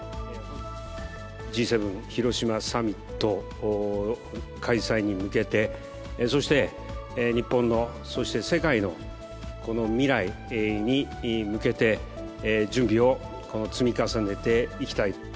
Ｇ７広島サミット開催に向けて、そして日本の、そして世界のこの未来に向けて、準備を積み重ねていきたい。